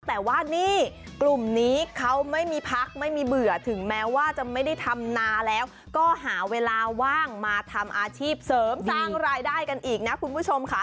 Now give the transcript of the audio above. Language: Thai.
แต่ว่านี่กลุ่มนี้เขาไม่มีพักไม่มีเบื่อถึงแม้ว่าจะไม่ได้ทำนาแล้วก็หาเวลาว่างมาทำอาชีพเสริมสร้างรายได้กันอีกนะคุณผู้ชมค่ะ